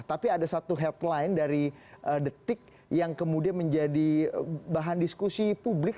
tapi ada satu headline dari detik yang kemudian menjadi bahan diskusi publik